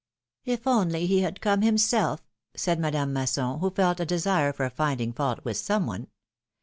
If only he had come himself," said Madame Masson, who felt a. desire for finding fault with some one.